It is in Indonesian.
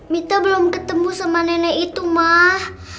mita belum ketemu sama nenek itu mah